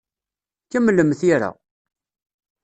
Kemmlem tira.